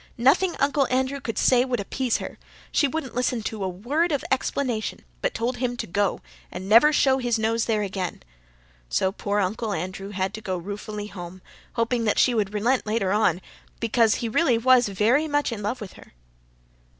Nothing Uncle Andrew could say would appease her. She wouldn't listen to a word of explanation, but told him to go, and never show his nose there again. So poor Uncle Andrew had to go ruefully home, hoping that she would relent later on, because he was really very much in love with her."